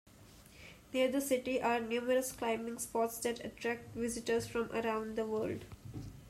Near the city are numerous climbing spots that attract visitors from around the world.